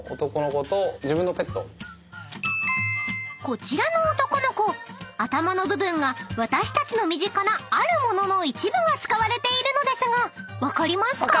［こちらの男の子頭の部分が私たちの身近なある物の一部が使われているのですが分かりますか？］